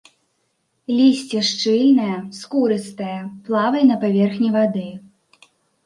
Лісце шчыльнае, скурыстае, плавае на паверхні вады.